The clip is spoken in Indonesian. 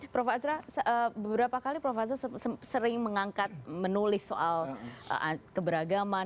prof asra beberapa kali prof azra sering mengangkat menulis soal keberagaman